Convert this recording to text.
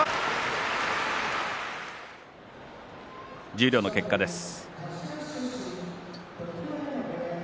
十両の結果です。